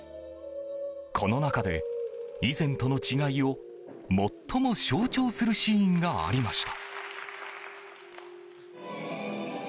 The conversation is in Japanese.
この中で以前との違いを最も象徴するシーンがありました。